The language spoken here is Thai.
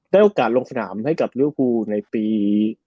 ได้โอกาสลงสนามให้หลีกภูมิในปี๑๙๙๘๑๙๙๙